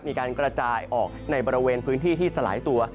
มีการกระจายออกในบริเวณพื้นที่ที่สลายตัว